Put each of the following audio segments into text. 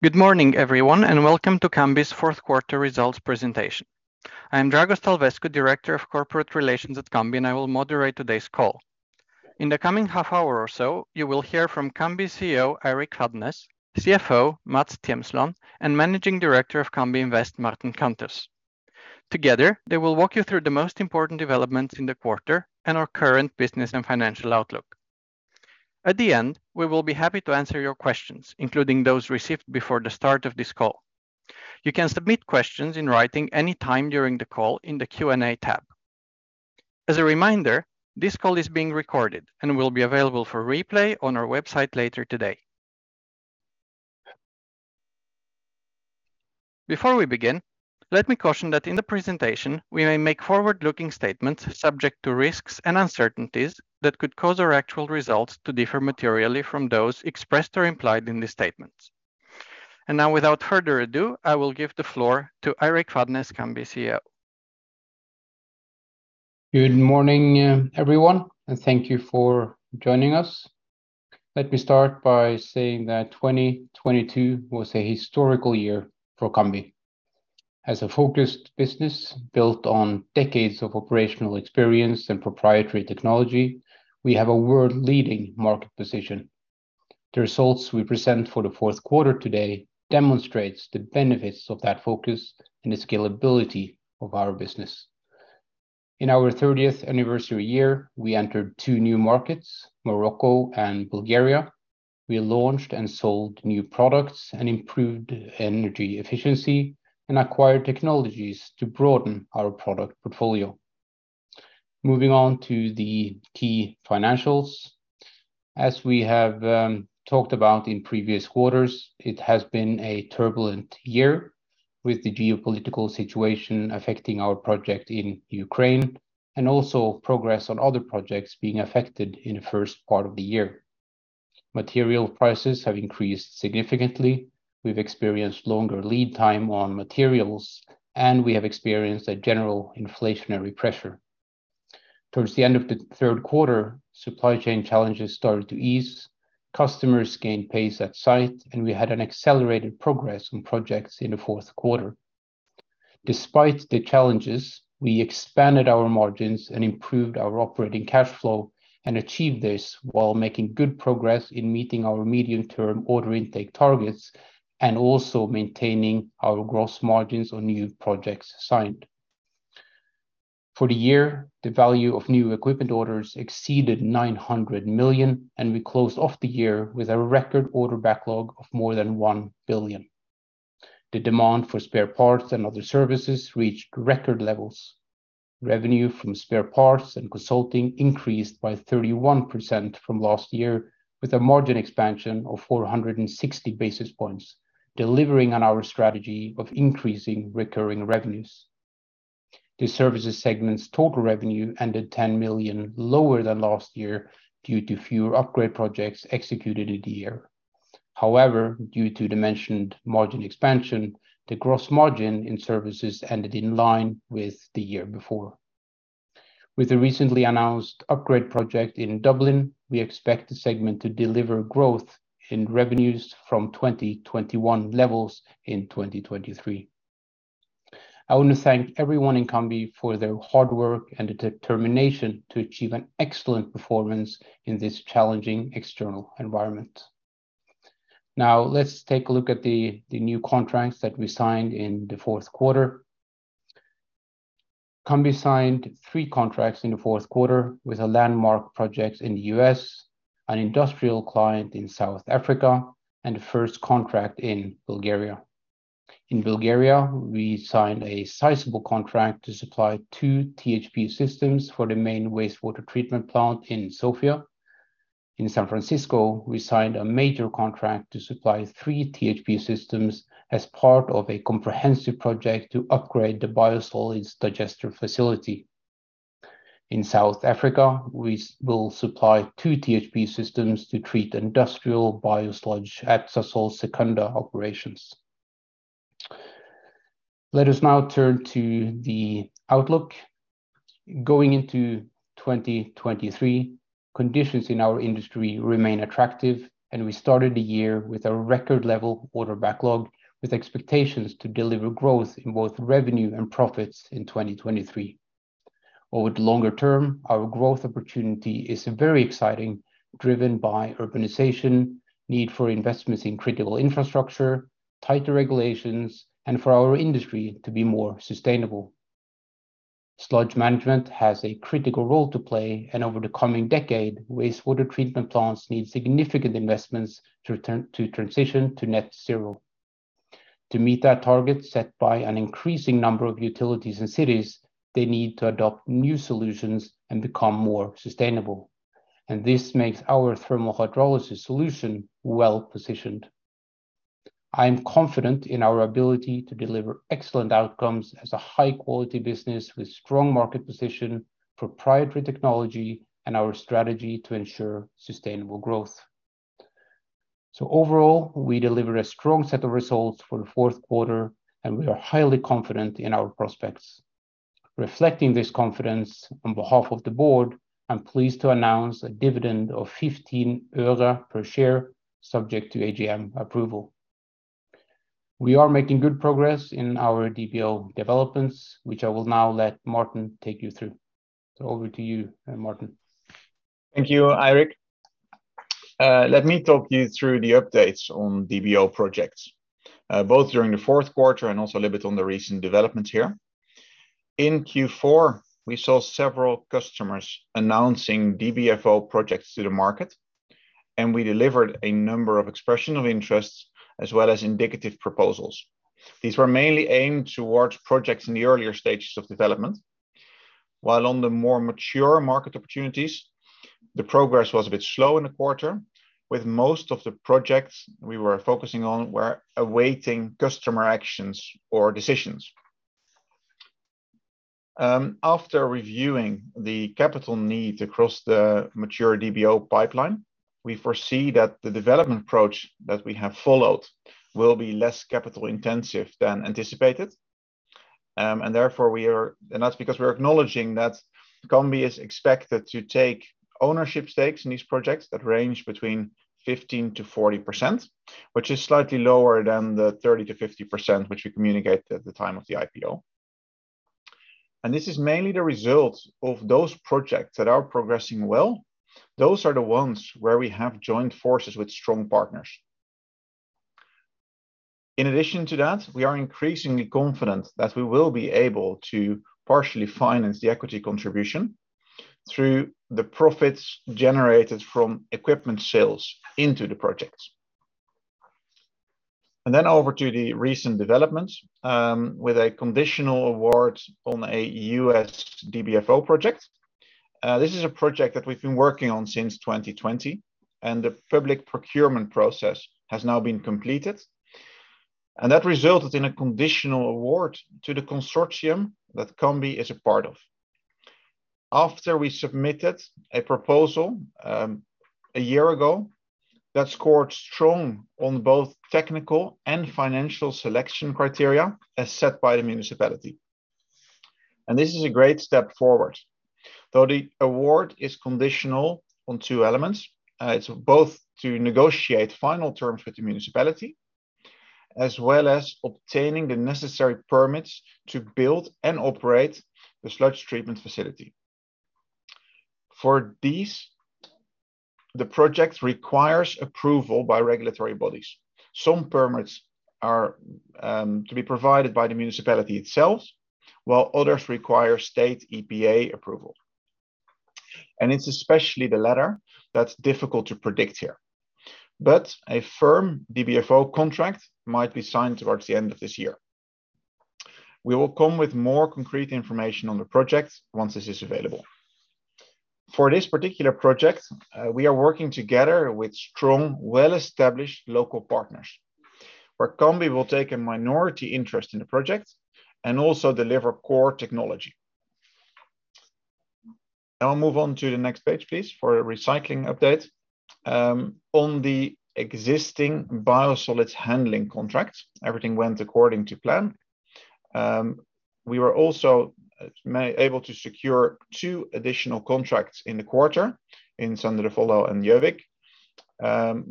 Good morning, everyone, and welcome to Cambi's fourth quarter results presentation. I am Dragoș Tâlvescu, director of corporate relations at Cambi, and I will moderate today's call. In the coming half hour or so, you will hear from Cambi CEO, Eirik Fadnes, CFO, Mats Tristan Tjemsland, and Managing Director of Cambi Invest, Maarten Kanters. Together, they will walk you through the most important developments in the quarter and our current business and financial outlook. At the end, we will be happy to answer your questions, including those received before the start of this call. You can submit questions in writing any time during the call in the Q and A tab. As a reminder, this call is being recorded and will be available for replay on our website later today. Before we begin, let me caution that in the presentation we may make forward-looking statements subject to risks and uncertainties that could cause our actual results to differ materially from those expressed or implied in these statements. Now, without further ado, I will give the floor to Eirik Fadnes, Cambi CEO. Good morning, everyone, and thank you for joining us. Let me start by saying that 2022 was a historical year for Cambi. As a focused business built on decades of operational experience and proprietary technology, we have a world-leading market position. The results we present for the fourth quarter today demonstrates the benefits of that focus and the scalability of our business. In our 30th anniversary year, we entered two new markets, Morocco and Bulgaria. We launched and sold new products and improved energy efficiency and acquired technologies to broaden our product portfolio. Moving on to the key financials. As we have talked about in previous quarters, it has been a turbulent year, with the geopolitical situation affecting our project in Ukraine and also progress on other projects being affected in the first part of the year. Material prices have increased significantly. We've experienced longer lead time on materials, and we have experienced a general inflationary pressure. Towards the end of the third quarter, supply chain challenges started to ease, customers gained pace at site, and we had an accelerated progress on projects in the fourth quarter. Despite the challenges, we expanded our margins and improved our operating cash flow and achieved this while making good progress in meeting our medium-term order intake targets and also maintaining our gross margins on new projects signed. For the year, the value of new equipment orders exceeded 900 million, and we closed off the year with a record order backlog of more than 1 billion. The demand for spare parts and other services reached record levels. Revenue from spare parts and consulting increased by 31% from last year with a margin expansion of 460 basis points, delivering on our strategy of increasing recurring revenues. The services segment's total revenue ended $10 million lower than last year due to fewer upgrade projects executed in the year. Due to the mentioned margin expansion, the gross margin in services ended in line with the year before. With the recently announced upgrade project in Dublin, we expect the segment to deliver growth in revenues from 2021 levels in 2023. I want to thank everyone in Cambi for their hard work and determination to achieve an excellent performance in this challenging external environment. Let's take a look at the new contracts that we signed in the fourth quarter. Cambi signed three contracts in the fourth quarter with a landmark project in the U.S., an industrial client in South Africa, and the first contract in Bulgaria. In Bulgaria, we signed a sizable contract to supply two THP systems for the main wastewater treatment plant in Sofia. In San Francisco, we signed a major contract to supply three THP systems as part of a comprehensive project to upgrade the biosolids digester facility. In South Africa, we will supply two THP systems to treat industrial biosludge at Sasol Secunda operations. Let us now turn to the outlook. Going into 2023, conditions in our industry remain attractive, and we started the year with a record level order backlog with expectations to deliver growth in both revenue and profits in 2023. Over the longer term, our growth opportunity is very exciting, driven by urbanization, need for investments in critical infrastructure, tighter regulations, and for our industry to be more sustainable. Sludge management has a critical role to play, and over the coming decade, wastewater treatment plants need significant investments to transition to net zero. To meet that target set by an increasing number of utilities and cities, they need to adopt new solutions and become more sustainable. This makes our thermal hydrolysis solution well-positioned. I am confident in our ability to deliver excellent outcomes as a high-quality business with strong market position, proprietary technology, and our strategy to ensure sustainable growth. Overall, we deliver a strong set of results for the fourth quarter, and we are highly confident in our prospects. Reflecting this confidence on behalf of the board, I'm pleased to announce a dividend of 15 euro per share, subject to AGM approval. We are making good progress in our DBO developments, which I will now let Maarten take you through. Over to you, Maarten. Thank you, Eirik. Let me talk you through the updates on DBO projects, both during the fourth quarter and also a little bit on the recent developments here. In Q4, we saw several customers announcing DBFO projects to the market, and we delivered a number of expression of interests as well as indicative proposals. These were mainly aimed towards projects in the earlier stages of development. While on the more mature market opportunities, the progress was a bit slow in the quarter, with most of the projects we were focusing on were awaiting customer actions or decisions. After reviewing the capital needs across the mature DBO pipeline, we foresee that the development approach that we have followed will be less capital-intensive than anticipated. Therefore, we are acknowledging that Cambi is expected to take ownership stakes in these projects that range between 15%-40%, which is slightly lower than the 30%-50% which we communicated at the time of the IPO. This is mainly the result of those projects that are progressing well. Those are the ones where we have joined forces with strong partners. In addition to that, we are increasingly confident that we will be able to partially finance the equity contribution through the profits generated from equipment sales into the projects. Over to the recent developments, with a conditional award on a U.S. DBFO project. This is a project that we've been working on since 2020. The public procurement process has now been completed. That resulted in a conditional award to the consortium that Cambi is a part of. After we submitted a proposal, a year ago, that scored strong on both technical and financial selection criteria as set by the municipality. This is a great step forward. Though the award is conditional on two elements, it's both to negotiate final terms with the municipality, as well as obtaining the necessary permits to build and operate the sludge treatment facility. For these, the project requires approval by regulatory bodies. Some permits are to be provided by the municipality itself, while others require state EPA approval. It's especially the latter that's difficult to predict here. A firm DBFO contract might be signed towards the end of this year. We will come with more concrete information on the project once this is available. For this particular project, we are working together with strong, well-established local partners, where Cambi will take a minority interest in the project and also deliver core technology. I'll move on to the next page, please, for a recycling update. On the existing biosolids handling contract, everything went according to plan. We were also able to secure two additional contracts in the quarter in Sandefjord and Gjøvik,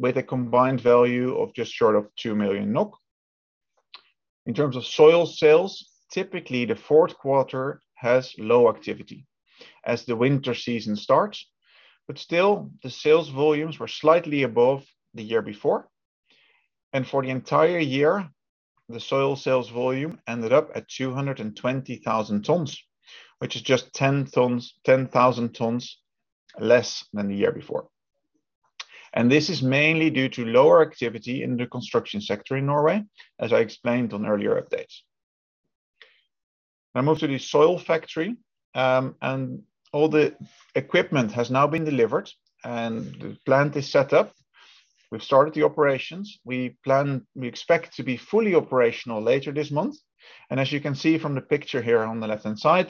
with a combined value of just short of 2 million NOK. In terms of soil sales, typically the fourth quarter has low activity as the winter season starts, but still the sales volumes were slightly above the year before. For the entire year, the soil sales volume ended up at 220,000 tons, which is just 10,000 tons less than the year before. This is mainly due to lower activity in the construction sector in Norway, as I explained on earlier updates. I move to the Soil Factory. All the equipment has now been delivered and the plant is set up. We've started the operations. We expect to be fully operational later this month. As you can see from the picture here on the left-hand side,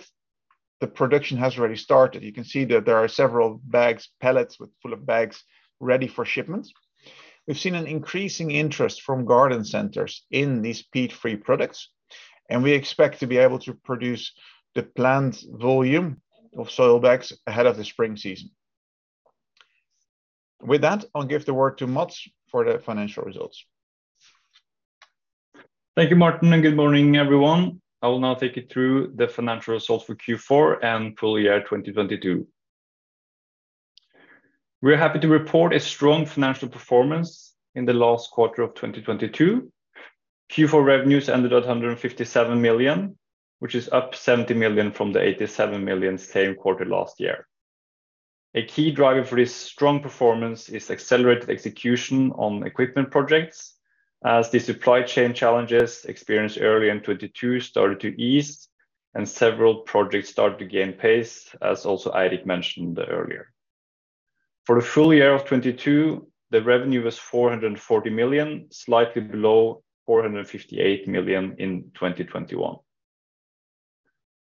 the production has already started. You can see that there are several bags, pallets full of bags ready for shipment. We've seen an increasing interest from garden centers in these peat-free products, and we expect to be able to produce the planned volume of soil bags ahead of the spring season. With that, I'll give the word to Mats for the financial results. Thank you, Maarten, and good morning, everyone. I will now take you through the financial results for Q4 and full year 2022. We're happy to report a strong financial performance in the last quarter of 2022. Q4 revenues ended at 157 million, which is up 70 million from the 87 million same quarter last year. A key driver for this strong performance is accelerated execution on equipment projects as the supply chain challenges experienced early in 2022 started to ease and several projects started to gain pace, as also Eirik mentioned earlier. For the full year of 2022, the revenue was 440 million, slightly below 458 million in 2021.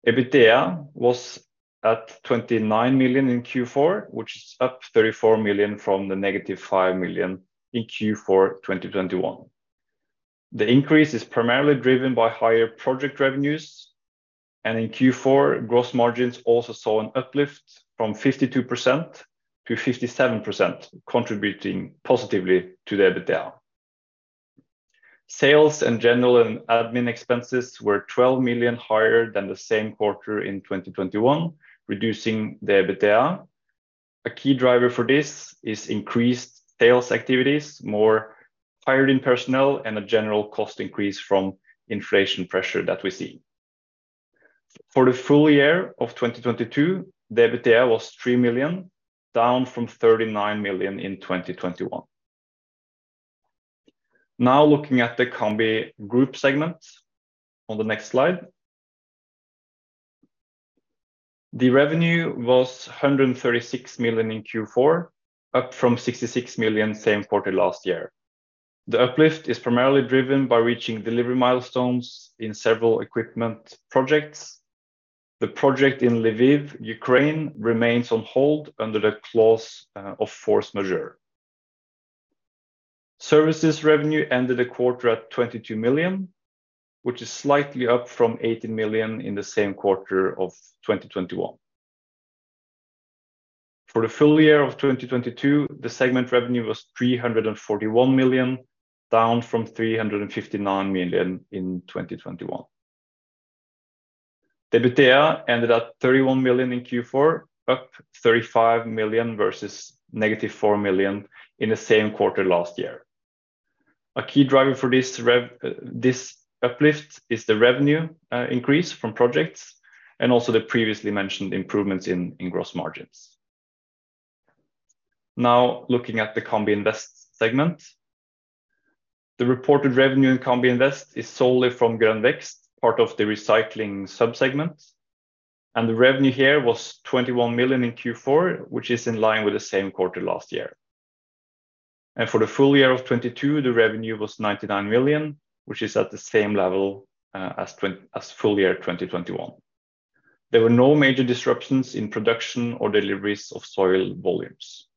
EBITDA was at 29 million in Q4, which is up 34 million from the negative 5 million in Q4 2021. The increase is primarily driven by higher project revenues, in Q4, gross margins also saw an uplift from 52% to 57%, contributing positively to the EBITDA. Sales and general and admin expenses were 12 million higher than the same quarter in 2021, reducing the EBITDA. A key driver for this is increased sales activities, more hired in personnel, and a general cost increase from inflation pressure that we see. For the full year of 2022, the EBITDA was 3 million, down from 39 million in 2021. Looking at the Cambi Group segment on the next slide. The revenue was 136 million in Q4, up from 66 million same quarter last year. The uplift is primarily driven by reaching delivery milestones in several equipment projects. The project in Lviv, Ukraine remains on hold under the clause of force majeure. Services revenue ended the quarter at 22 million, which is slightly up from 18 million in the same quarter of 2021. For the full year of 2022, the segment revenue was 341 million, down from 359 million in 2021. The EBITDA ended at 31 million in Q4, up 35 million versus -4 million in the same quarter last year. A key driver for this uplift is the revenue increase from projects and also the previously mentioned improvements in gross margins. Looking at the Cambi Invest segment. The reported revenue in Cambi Invest is solely from Grønn Vekst, part of the recycling sub-segment. The revenue here was 21 million in Q4, which is in line with the same quarter last year. For the full year of 2022, the revenue was 99 million, which is at the same level as full year 2021. There were no major disruptions in production or deliveries of soil volumes.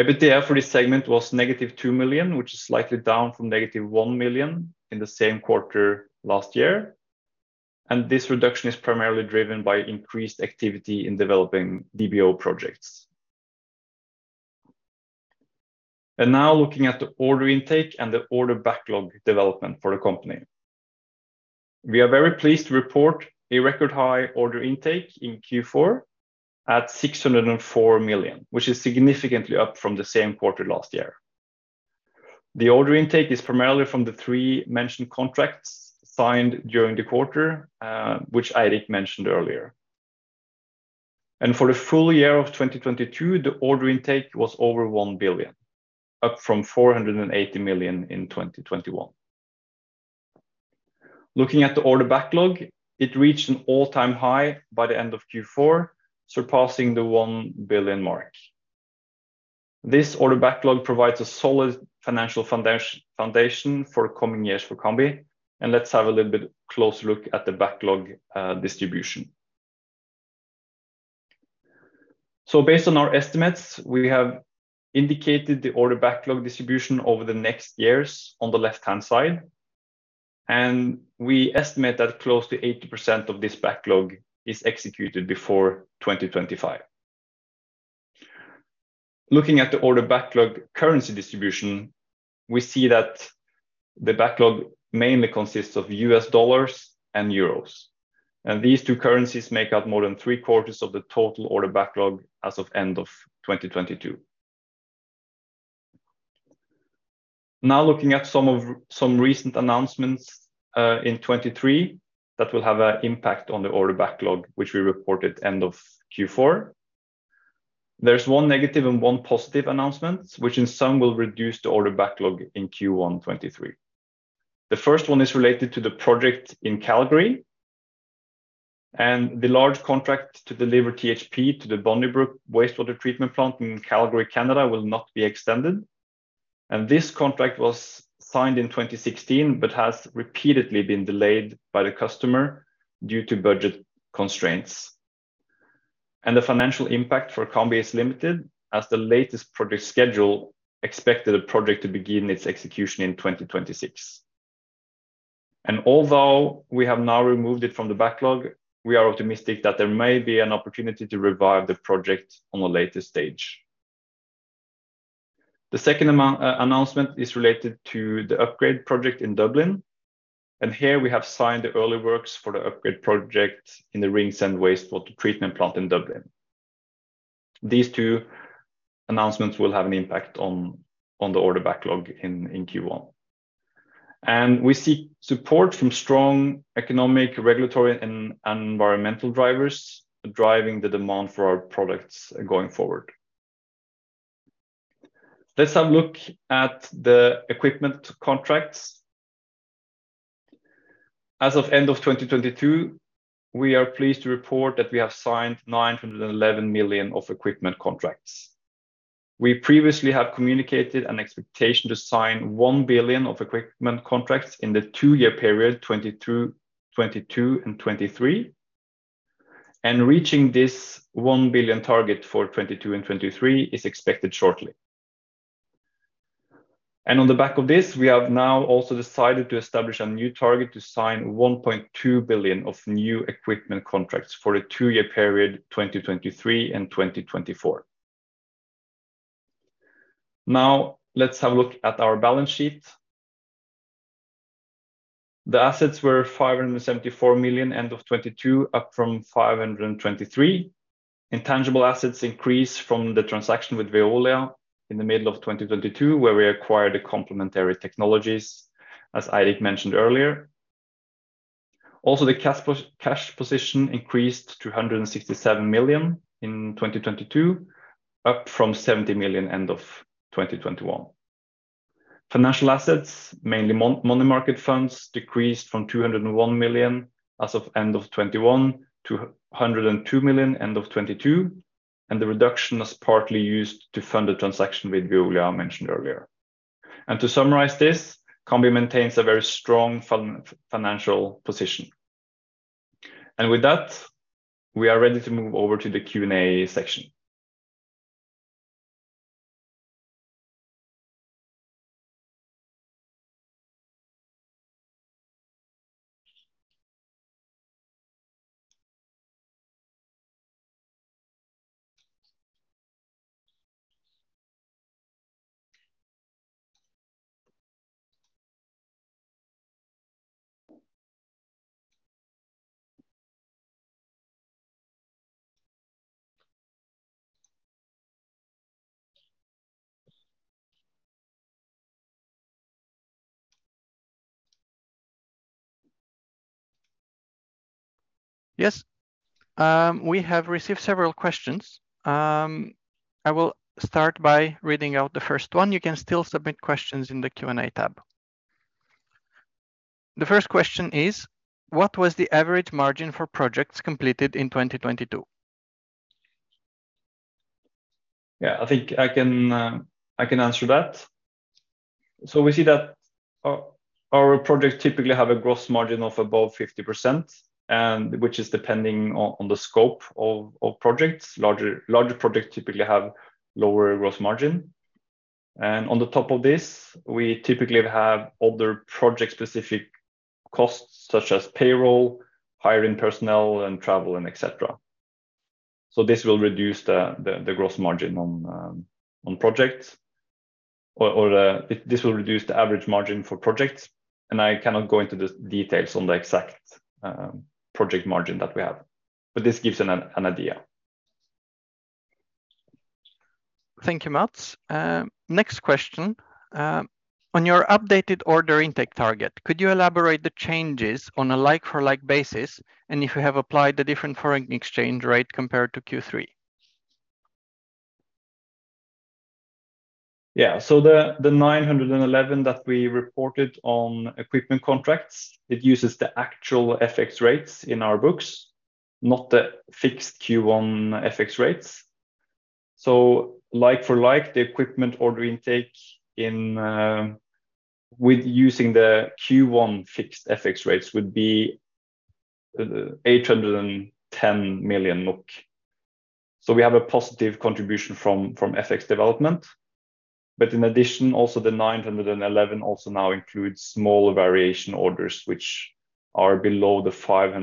EBITDA for this segment was negative 2 million, which is slightly down from negative 1 million in the same quarter last year. This reduction is primarily driven by increased activity in developing DBO projects. Now looking at the order intake and the order backlog development for the company. We are very pleased to report a record high order intake in Q4 at 604 million, which is significantly up from the same quarter last year. The order intake is primarily from the three mentioned contracts signed during the quarter, which Eirik mentioned earlier. For the full year of 2022, the order intake was over 1 billion, up from 480 million in 2021. Looking at the order backlog, it reached an all-time high by the end of Q4, surpassing the 1 billion mark. This order backlog provides a solid financial foundation for the coming years for Cambi, let's have a little bit close look at the backlog distribution. Based on our estimates, we have indicated the order backlog distribution over the next years on the left-hand side, we estimate that close to 80% of this backlog is executed before 2025. Looking at the order backlog currency distribution, we see that the backlog mainly consists of U.S. dollars and euros. These two currencies make up more than 3/4 of the total order backlog as of end of 2022. Now looking at some recent announcements in 2023 that will have an impact on the order backlog, which we reported end of Q4. There's one negative and one positive announcement, which in sum will reduce the order backlog in Q1 2023. The first one is related to the project in Calgary, the large contract to deliver THP to the Bonnybrook Wastewater Treatment Plant in Calgary, Canada will not be extended. This contract was signed in 2016, but has repeatedly been delayed by the customer due to budget constraints. The financial impact for Cambi is limited as the latest project schedule expected the project to begin its execution in 2026. Although we have now removed it from the backlog, we are optimistic that there may be an opportunity to revive the project on a later stage. The second announcement is related to the upgrade project in Dublin, here we have signed the early works for the upgrade project in the Ringsend Wastewater Treatment Plant in Dublin. These two announcements will have an impact on the order backlog in Q1. We see support from strong economic, regulatory and environmental drivers driving the demand for our products going forward. Let's have a look at the equipment contracts. As of end of 2022, we are pleased to report that we have signed 911 million of equipment contracts. We previously have communicated an expectation to sign 1 billion of equipment contracts in the two-year period 2022 and 2023. Reaching this 1 billion target for 2022 and 2023 is expected shortly. On the back of this, we have now also decided to establish a new target to sign 1.2 billion of new equipment contracts for a two-year period, 2023 and 2024. Let's have a look at our balance sheet. The assets were 574 million end of 2022, up from 523 million. Intangible assets increased from the transaction with Veolia in the middle of 2022, where we acquired the complementary technologies, as Eirik mentioned earlier. The cash position increased to 167 million in 2022, up from 70 million end of 2021. Financial assets, mainly money market funds, decreased from 201 million as of end of 2021 to 102 million end of 2022. The reduction was partly used to fund the transaction with Veolia I mentioned earlier. To summarize this, Cambi maintains a very strong financial position. With that, we are ready to move over to the Q and A section. We have received several questions. I will start by reading out the first one. You can still submit questions in the Q and A tab. The first question is: What was the average margin for projects completed in 2022? I think I can answer that. We see that our projects typically have a gross margin of above 50% and which is depending on the scope of projects. Larger projects typically have lower gross margin. On the top of this, we typically have other project-specific costs such as payroll, hiring personnel, and travel, and et cetera. This will reduce the gross margin on projects or this will reduce the average margin for projects. I cannot go into the details on the exact project margin that we have, but this gives an idea. Thank you, Mats. Next question. On your updated order intake target, could you elaborate the changes on a like-for-like basis and if you have applied a different foreign exchange rate compared to Q3? The 911 that we reported on equipment contracts, it uses the actual FX rates in our books, not the fixed Q1 FX rates. Like for like, the equipment order intake in using the Q1 fixed FX rates would be 810 million NOK. We have a positive contribution from FX development. In addition, also the 911 also now includes smaller variation orders, which are below the 5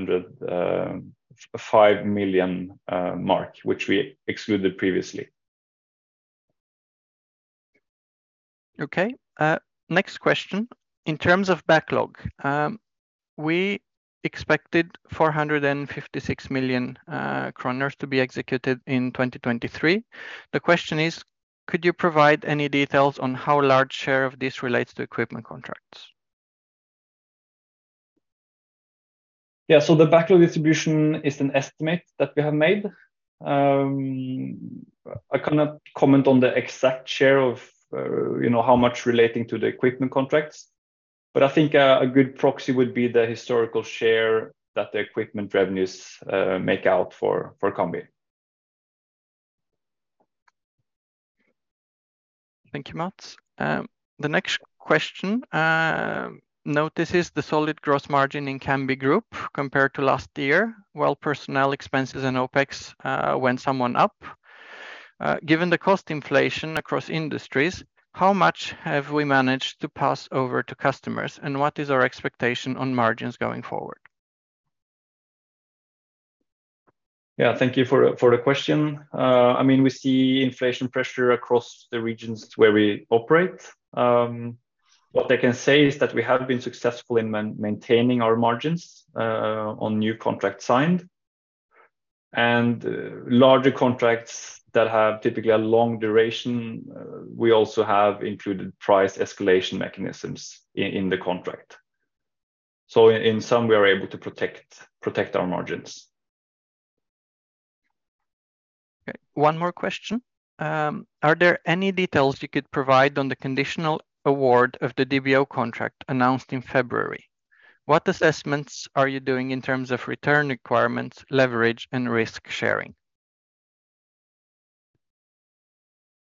million mark, which we excluded previously. Okay. Next question. In terms of backlog, we expected 456 million kroner to be executed in 2023. The question is: Could you provide any details on how large share of this relates to equipment contracts? The backlog distribution is an estimate that we have made. I cannot comment on the exact share of, you know, how much relating to the equipment contracts. I think a good proxy would be the historical share that the equipment revenues make out for Cambi. Thank you, Mats. The next question. Notice is the solid gross margin in Cambi Group compared to last year, while personnel expenses and OpEx went somewhat up. Given the cost inflation across industries, how much have we managed to pass over to customers, and what is our expectation on margins going forward? Yeah. Thank you for the question. I mean, we see inflation pressure across the regions where we operate. What I can say is that we have been successful in maintaining our margins on new contracts signed. Larger contracts that have typically a long duration, we also have included price escalation mechanisms in the contract. In sum, we are able to protect our margins. One more question. Are there any details you could provide on the conditional award of the DBO contract announced in February? What assessments are you doing in terms of return requirements, leverage, and risk-sharing?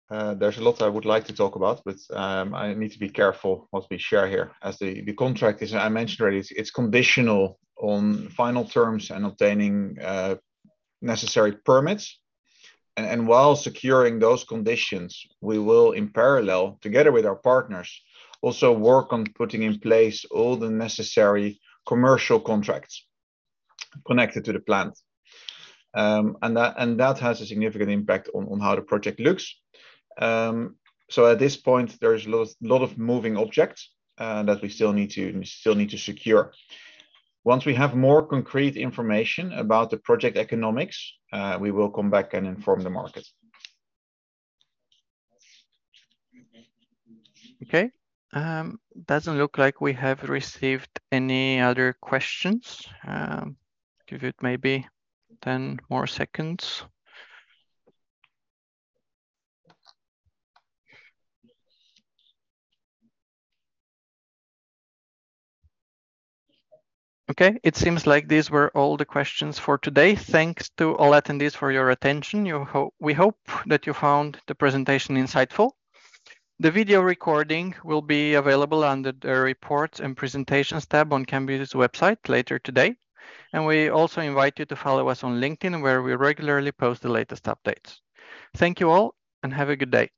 There's a lot I would like to talk about, but I need to be careful what we share here. As the contract is, I mentioned already, it's conditional on final terms and obtaining necessary permits. While securing those conditions, we will, in parallel, together with our partners, also work on putting in place all the necessary commercial contracts connected to the plant. That has a significant impact on how the project looks. At this point, there's lot of moving objects that we still need to secure. Once we have more concrete information about the project economics, we will come back and inform the market. Okay. Doesn't look like we have received any other questions. Give it maybe 10 more seconds. Okay. It seems like these were all the questions for today. Thanks to all attendees for your attention. We hope that you found the presentation insightful. The video recording will be available under the Reports and Presentations tab on Cambi's website later today. We also invite you to follow us on LinkedIn, where we regularly post the latest updates. Thank you all, and have a good day.